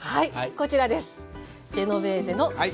こちらです。